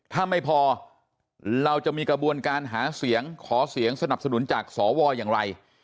ถ้าไม่พอเราจะมีกระบวนการหาเสียงขอเสียงสนับสนุนจากสวอย่างไร